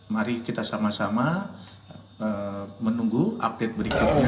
mari kita sama sama menunggu update berikutnya